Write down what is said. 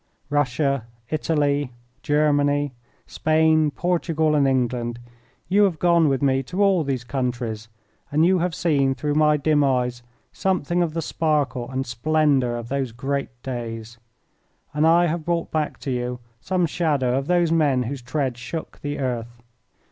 Russia, Italy, Germany, Spain, Portugal, and England, you have gone with me to all these countries, and you have seen through my dim eyes something of the sparkle and splendour of those great days, and I have brought back to you some shadow of those men whose tread shook the earth.